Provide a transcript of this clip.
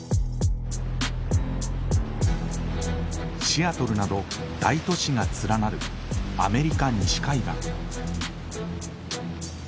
シアトルなど大都市が連なるアメリカ西海岸。